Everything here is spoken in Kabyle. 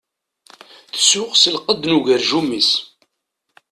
Tsuɣ s lqedd n ugerjum-is.